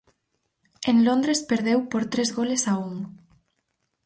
En Londres perdeu por tres goles a un.